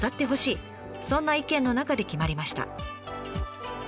そんな意見の中で決まりました。